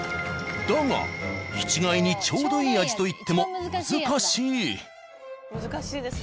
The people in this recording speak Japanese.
だが一概にちょうどいい味といっても難しい。